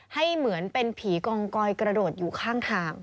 ให้เหมือนเป็นผีกองกอยกระโดดอยู่ข้างทาง